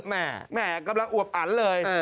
แหม่แหม่กำลังอวบอันเลย